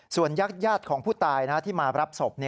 ส่วนยักษ์ย่าของผู้ตายที่มารับศพ